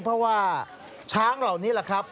เพราะว่าช้างเหล่านี้แหละครับ